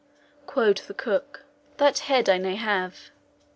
Quod the cook, 'That head I ne have.'